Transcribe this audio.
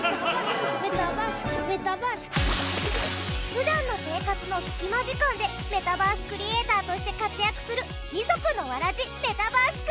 普段の生活のスキマ時間でメタバースクリエイターとして活躍する二足のわらじメタバースクリエイター。